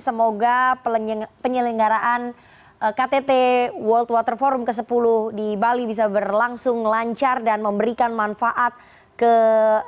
semoga penyelenggaraan ktt wwf ke sepuluh di bali bisa berlangsung lancar dan memberikan manfaat ke perekonomian